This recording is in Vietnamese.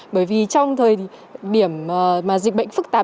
bởi vì trong thời điểm dịch bệnh phức tạp